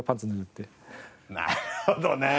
なるほどね！